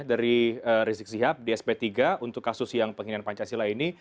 dari rizik sihab di sp tiga untuk kasus yang penghinaan pancasila ini